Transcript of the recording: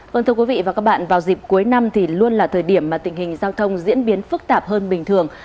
vâng thưa quý vị và các bạn vào dịp cuối năm thì luôn là thời điểm mà tình hình giao thông diễn biến phức tạp hơn bình thường